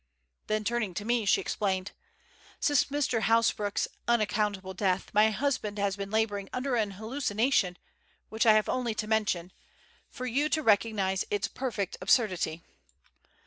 Then turning to me, she explained: "Since Mr. Hasbrouck's unaccountable death, my husband has been labouring under an hallucination which I have only to mention, for you to recognize its perfect absurdity.